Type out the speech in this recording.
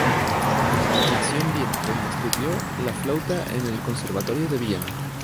Nació en Viena, donde estudió la flauta en el Conservatorio de Viena.